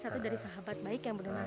satu dari sahabat baik yang berdoa